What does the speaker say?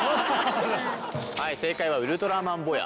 はい正解はウルトラマンボヤ。